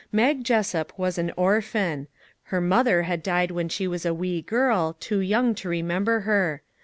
Mag Jessup was an orphan. Her mother had died when she was a wee girl, too young to remember her.